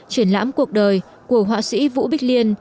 triển lãm cuộc đời của họa sĩ vũ bích liên